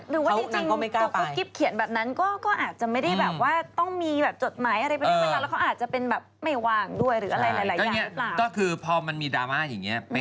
หรือว่าตัวกรุ๊ปคลิปเขียนแบบนั้นก็อาจจะไม่ได้แบบว่า